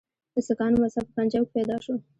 د سکانو مذهب په پنجاب کې پیدا شو.